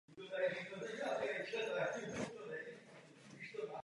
Věříme, že tato dohoda bude pro Evropskou unii užitečná.